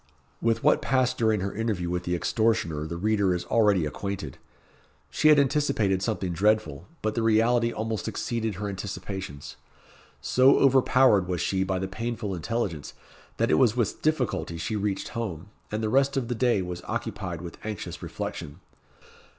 With what passed during her interview with the extortioner the reader is already acquainted. She had anticipated something dreadful; but the reality almost exceeded her anticipations. So overpowered was she by the painful intelligence, that it was with difficulty she reached home, and the rest of the day was occupied with anxious reflection.